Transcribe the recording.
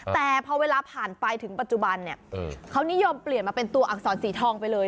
แต่พอเวลาผ่านไปถึงปัจจุบันเนี่ยเขานิยมเปลี่ยนมาเป็นตัวอักษรสีทองไปเลย